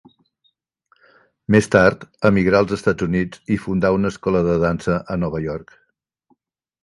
Més tard emigrà als Estats Units i fundà una escola de dansa a Nova York.